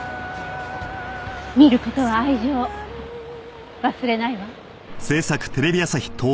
見る事は愛情忘れないわ。